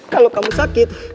kalau kamu sakit